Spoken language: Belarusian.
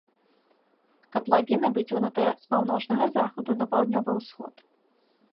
Катлавіна выцягнутая з паўночнага захаду на паўднёвы ўсход.